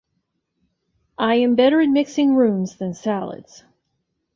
I am better at mixing rooms than salads.